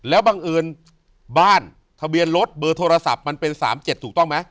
แล้วบังเอิญบ้านทะเบียนรถเบอร์โทรศัพท์มันเป็น๓๗ถูกต้องไหม